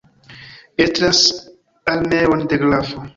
Estras armeon de grafo.